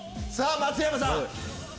さぁ松山さん。